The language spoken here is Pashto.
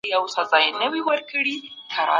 دا دهقان چي تخم پاشي